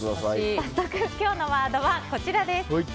今日のワードは、こちらです。